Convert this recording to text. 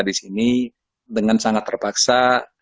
disini dengan sangat terpaksa